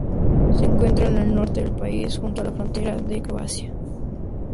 Se encuentra al norte del país, junto a la frontera con Croacia.